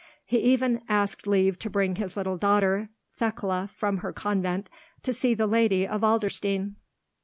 He even asked leave to bring his little daughter Thekla from her convent to see the Lady of Adlerstein.